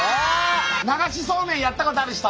流しそうめんやったことある人？